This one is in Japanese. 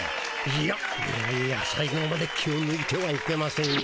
いやいやいやさい後まで気をぬいてはいけませんよ。